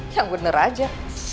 yang bener aja